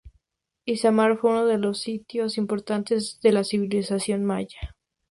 Izamal fue uno de los sitios importantes de la civilización maya.